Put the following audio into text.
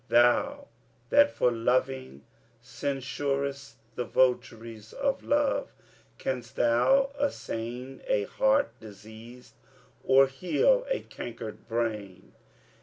Thou, that for loving censurest the votaries of love, Canst thou assain a heart diseased or heal a cankered brain?